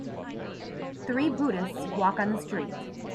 three Buddhists walk on the street.